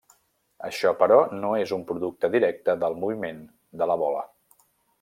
Això, però, no és un producte directe del moviment de la bola.